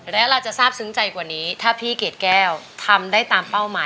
และเราจะทราบซึ้งใจกว่านี้ถ้าพี่เกดแก้วทำได้ตามเป้าหมาย